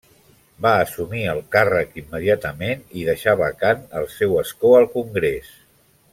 Va assumir el càrrec immediatament i deixà vacant el seu escó al congrés.